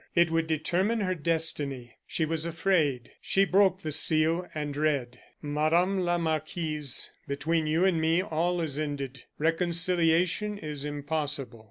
It would determine her destiny; she was afraid; she broke the seal and read: "Madame la marquise Between you and me all is ended; reconciliation is impossible.